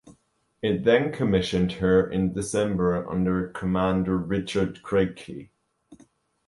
It then commissioned her in December under Commander Richard Creyke.